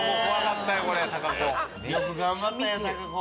よく頑張ったよ子。